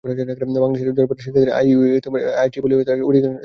বাংলাদেশের ঝরে পড়া শিক্ষার্থীদের নিয়ে আইইইই এডুকেশন সোসাইটির একটি প্রকল্পে কাজ করেন।